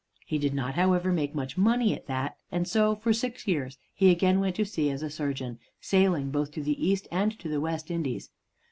He did not, however, make much money at that, and so for six years he again went to sea as a surgeon, sailing both to the East and to the West Indies.